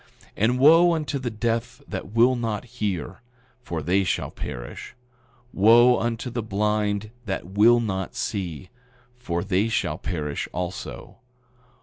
9:31 And wo unto the deaf that will not hear; for they shall perish. 9:32 Wo unto the blind that will not see; for they shall perish also.